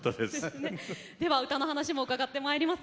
では歌の話も伺ってまいります。